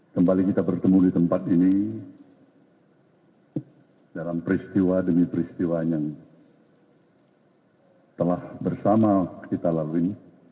kembali kita bertemu di tempat ini dalam peristiwa demi peristiwa yang telah bersama kita lalui